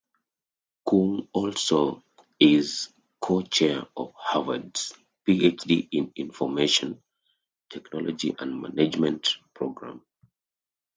Kung also is co-chair of Harvard's "PhD in Information, Technology and Management" Program.